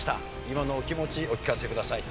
今のお気持ちお聞かせください。